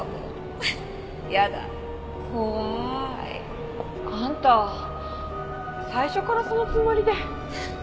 フフッやだ怖い。あんた最初からそのつもりで。